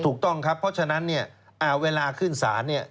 ถูกต้องครับเพราะฉะนั้นเวลาขึ้นสาร